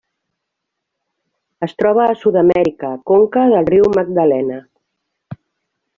Es troba a Sud-amèrica: conca del riu Magdalena.